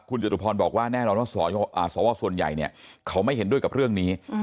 คุณจตุพรบอกว่าแน่นอนว่าสวส่วนใหญ่เนี่ยเขาไม่เห็นด้วยกับเรื่องนี้